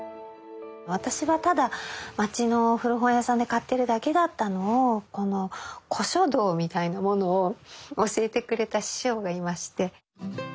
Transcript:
私はただ街の古本屋さんで買っているだけだったのを古書道みたいなものを教えてくれた師匠がいまして。